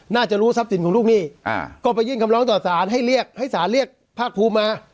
น่าจะรู้ทรัพย์สินของลูกหนี้ก็ไปยื่นคำร้องต่อสารให้เรียกให้สารเรียกภาคภูมิมา